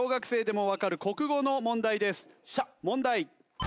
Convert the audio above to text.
問題。